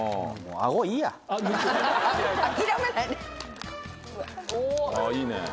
あいいね。